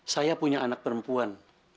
saya punya anak perempuan